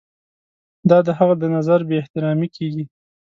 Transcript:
دا د هغه د نظر بې احترامي کیږي.